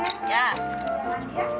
udah ayo mandi ya